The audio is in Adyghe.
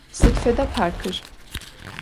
Sıd feda parkır?